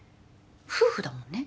夫婦だもんね